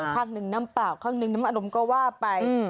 ข้างหนึ่งน้ำเปล่าข้างหนึ่งน้ำอารมณ์ก็ว่าไป